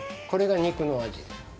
これが肉の味。